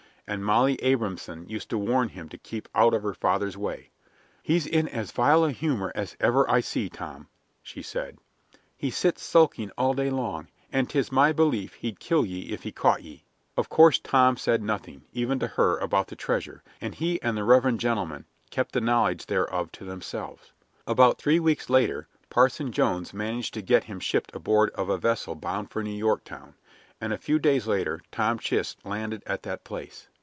And Molly Abrahamson used to warn him to keep out of her father's way. "He's in as vile a humor as ever I see, Tom," she said; "he sits sulking all day long, and 'tis my belief he'd kill ye if he caught ye." Of course Tom said nothing, even to her, about the treasure, and he and the reverend gentleman kept the knowledge thereof to themselves. About three weeks later Parson Jones managed to get him shipped aboard of a vessel bound for New York town, and a few days later Tom Chist landed at that place.